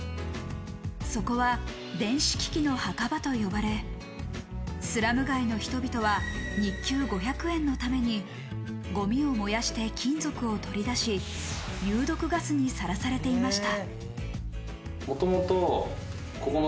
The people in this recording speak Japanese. そこは電子機器の墓場と呼ばれ、スラム街の人々は日給５００円のためにゴミを燃やして金属を取り出し、有毒ガスにさらされていました。